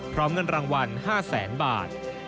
พร้อมเงินรางวัล๕๐๐๐๐๐บาท